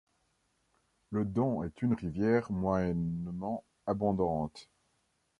Le Don est une rivière moyennement abondante.